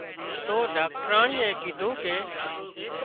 تو ڊاڪٽرانئي ڪيڌون ڪي